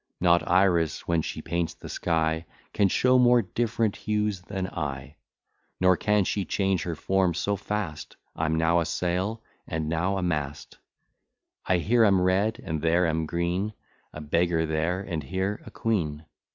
Not Iris, when she paints the sky, Can show more different hues than I; Nor can she change her form so fast, I'm now a sail, and now a mast. I here am red, and there am green, A beggar there, and here a queen.